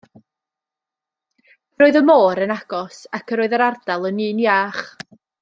Yr oedd y môr yn agos, ac yr oedd yr ardal yn un iach.